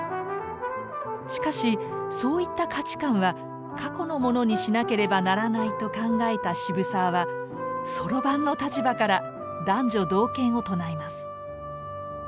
しかしそういった価値観は過去のものにしなければならないと考えた渋沢は「算盤」の立場から男女同権を唱えます。